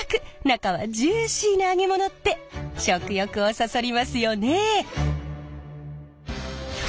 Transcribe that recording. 中はジューシーな揚げ物って食欲をそそりますよね。